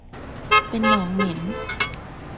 เป็นหนองเหม็น